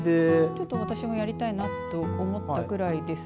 ちょっと私もやりたいなと思ったぐらいです。